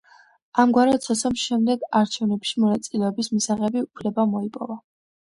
ამგვარად სომოსამ შემდეგ არჩევნებში მონაწილეობის მისაღები უფლება მოიპოვა.